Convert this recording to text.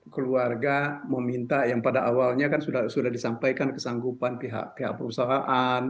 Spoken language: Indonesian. keluarga meminta yang pada awalnya kan sudah disampaikan kesanggupan pihak pihak perusahaan